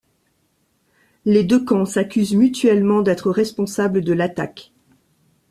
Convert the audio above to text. Les deux camps s'accusent mutuellement d'être responsables de l'attaque.